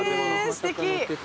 えすてき！